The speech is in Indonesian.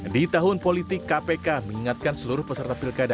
di tahun politik kpk mengingatkan seluruh peserta pilkada